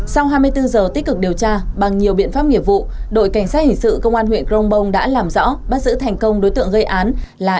sau hai mươi bốn giờ tích cực điều tra bằng nhiều biện pháp nghiệp vụ đội cảnh sát hình sự công an huyện crong bông đã làm rõ bắt giữ thành công đối tượng gây án là